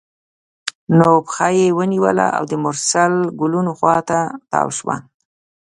نو پښه یې ونیوله او د مرسل ګلونو خوا ته تاوه شوه.